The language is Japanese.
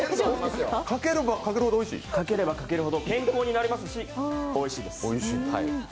かければかけるほど健康になりますし、おいしいです。